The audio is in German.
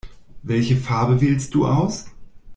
Welche Farbe wählst du aus?